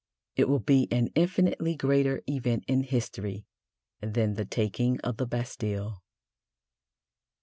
It will be an infinitely greater event in history than the taking of the Bastille.